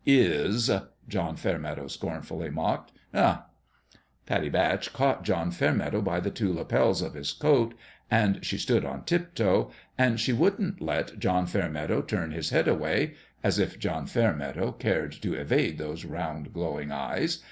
" Is !" John Fairmeadow scornfully mocked. " Huh !" Pattie Batch caught John Fairmeadow by the two lapels of his coat and she stood on tiptoe and she wouldn't let John Fairmeadow turn his head away (as if John Fairmeadow cared to evade those round, glowing eyes